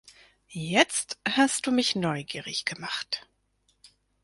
Jetzt hast du mich neugierig gemacht.